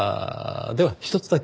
ではひとつだけ。